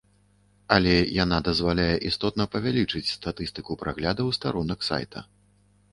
Але яна дазваляе істотна павялічыць статыстыку праглядаў старонак сайта.